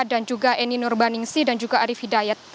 dan juga eni nur baningsi dan juga arief hidayat